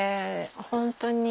本当に。